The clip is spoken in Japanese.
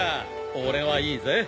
俺はいいぜ。